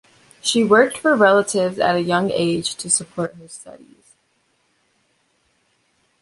She worked for relatives at a young age to support her studies.